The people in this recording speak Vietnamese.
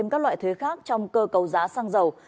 câu giá xăng dầu